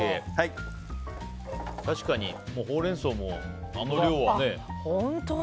確かにホウレンソウもあの量にね。